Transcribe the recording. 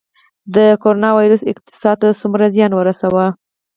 د کرونا ویروس اقتصاد ته څومره زیان ورساوه؟